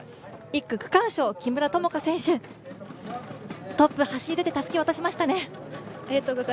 １区区間賞、木村友香選手、トップでたすきを渡しましたね。